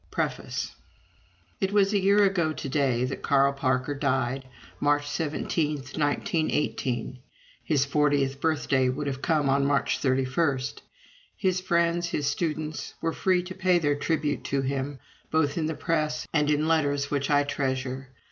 _ PREFACE It was a year ago to day that Carl Parker died March 17, 1918. His fortieth birthday would have come on March 31. His friends, his students, were free to pay their tribute to him, both in the press and in letters which I treasure.